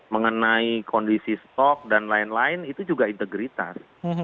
mengenai kondisi stok dan lain lain itu juga integritas